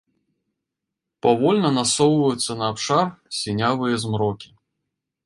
Павольна насоўваюцца на абшар сінявыя змрокі.